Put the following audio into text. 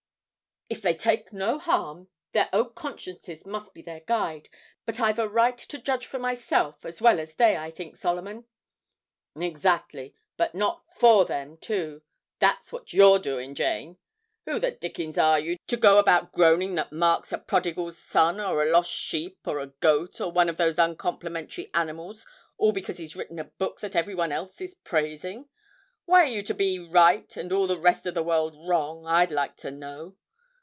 'If they take no harm, their own consciences must be their guide; but I've a right to judge for myself as well as they, I think, Solomon.' 'Exactly, but not for them too that's what you're doin', Jane. Who the dickens are you, to go about groaning that Mark's a prodigal son, or a lost sheep, or a goat, or one of those uncomplimentary animals, all because he's written a book that everyone else is praising? Why are you to be right and all the rest of the world wrong, I'd like to know?